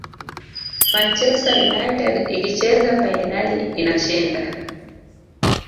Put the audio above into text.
manchester united ikicheza fainali inashinda